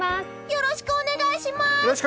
よろしくお願いします！